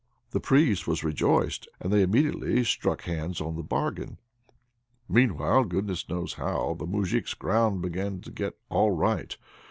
The Priest was rejoiced, and they immediately struck hands on the bargain. Meanwhile goodness knows how the Moujik's ground began to get all right.